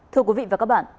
thưa quý vị và các bạn